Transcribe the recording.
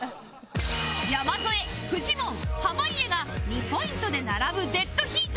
山添フジモン濱家が２ポイントで並ぶデッドヒート